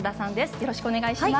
よろしくお願いします。